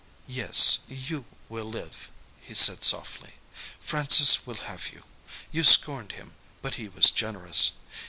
"Yes, you will live," he said softly. "Francis will have you. You scorned him. But he was generous.